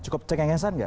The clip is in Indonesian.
cukup cengengesan gak